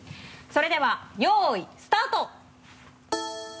それではよいスタート！